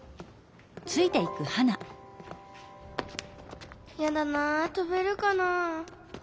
心の声やだなあとべるかなあ？